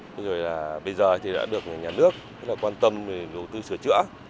bây giờ đã được nhà nước quan tâm về đầu tư sửa chữa